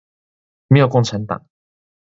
沒有共產黨